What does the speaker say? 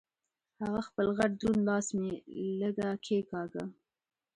هغه خپل غټ دروند لاس مې لږه کېګاږه.